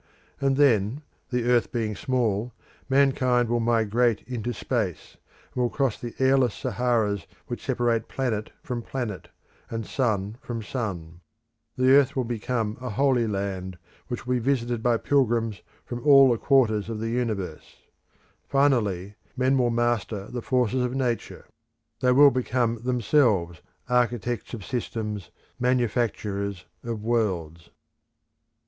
And then, the earth being small, mankind will migrate into space, and will cross the airless Saharas which separate planet from planet, and sun from sun. The earth will become a Holy Land which will be visited by pilgrims from all the quarters of the universe. Finally, men will master the forces of Nature; they will become themselves architects of systems, manufacturers of worlds.